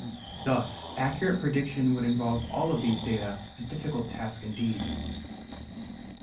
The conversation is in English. Thus, accurate prediction would involve all of these data, a difficult task indeed.